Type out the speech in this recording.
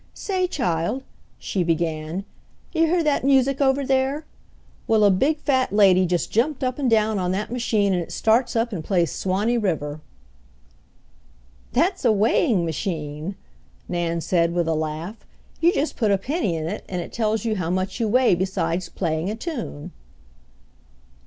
"Say, chile," she began, "you hear dat music ober dar? Well, a big fat lady jest jumped up and down on dat machine and it starts up and plays Swanee Ribber." "That's a weighing machine," Nan said with a laugh. "You just put a penny in it and it tells you how much you weigh besides playing a tune."